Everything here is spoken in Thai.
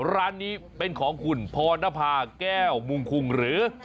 ร้านนี้เป็นของคุณพรณภาแก้วมุงคุงหรือ